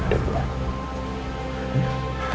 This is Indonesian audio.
kondisi fisik adik gua